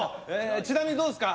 ちなみにどうですか？